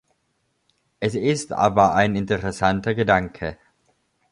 Es ist aber ein interessanter Gedanke.